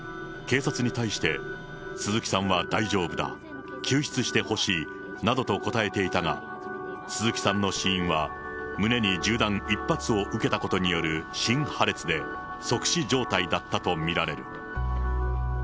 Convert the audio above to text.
警察に対して、鈴木さんは大丈夫だ、救出してほしいなどと答えていたが、鈴木さんの死因は、胸に銃弾１発を受けたことによる心破裂で、即死状態だったと見られる。